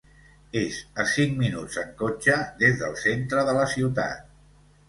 És a cinc minuts en cotxe des del centre de la ciutat.